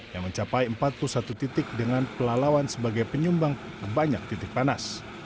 yang mencapai empat puluh satu titik dengan pelalawan sebagai penyumbang banyak titik panas